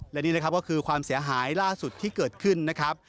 และนี่นะครับก็คือความเสียหายล่าสุดที่เกิดขึ้นนะครับ